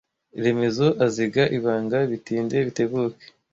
Remezo aziga ibanga bitinde bitebuke.